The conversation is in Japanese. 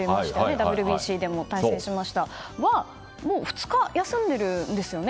ＷＢＣでも対戦しました、ヌートバー選手は２日休んでいるんですよね。